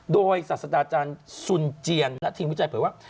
โดยศาสดาอาจารย์สุนเจียนและทีมวิจัยเผยว่า